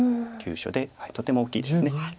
急所でとても大きいです。